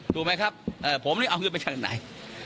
ถูกไหมครับผมนี่เอาเงินมาจากไหน